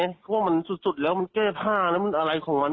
เพราะว่ามันสุดแล้วมันแก้ท่าแล้วมันอะไรของมัน